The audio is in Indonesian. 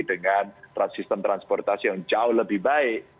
dengan sistem transportasi yang jauh lebih baik